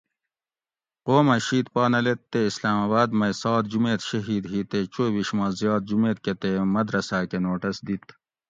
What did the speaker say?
قوم اۤ شید پا نہ لید تے اسلام آباد مئ سات جُمیت شہید ہی تے چوئ بِیش ما زیات جُمیت کۤہ تے مدرساۤ کۤہ نوٹس دِت